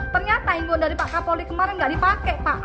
ternyata ingin dari pak kapoli kemarin nggak dipakai pak